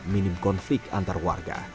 minim konflik antar warga